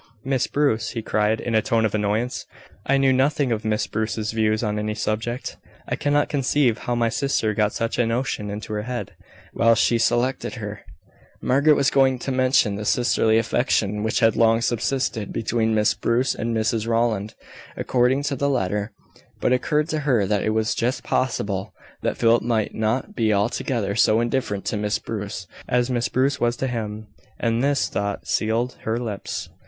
"Miss Bruce!" he cried, in a tone of annoyance. "I know nothing of Miss Bruce's views on any subject. I cannot conceive how my sister got such a notion into her head why she selected her." Margaret was going to mention the "sisterly affection" which had long subsisted between Miss Bruce and Mrs Rowland, according to the latter; but it occurred to her that it was just possible that Philip might not be altogether so indifferent to Miss Bruce as Miss Bruce was to him; and this thought sealed her lips.